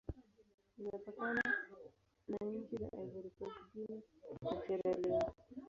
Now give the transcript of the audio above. Imepakana na nchi za Ivory Coast, Guinea, na Sierra Leone.